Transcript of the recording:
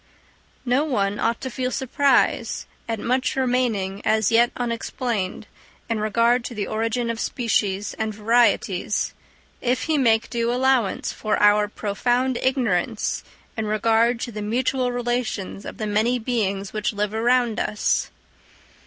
No one ought to feel surprise at much remaining as yet unexplained in regard to the origin of species and varieties, if he make due allowance for our profound ignorance in regard to the mutual relations of the many beings which live around us.